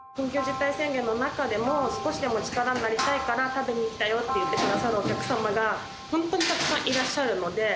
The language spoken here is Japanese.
緊急事態宣言の中でも、少しでも力になりたいから食べにきたよっていってくださるお客様が本当にたくさんいらっしゃるので。